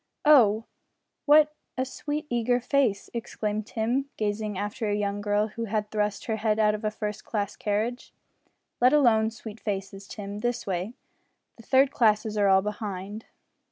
"Oh! what a sweet eager face!" exclaimed Tim, gazing after a young girl who had thrust her head out of a first class carriage. "Let alone sweet faces, Tim this way. The third classes are all behind."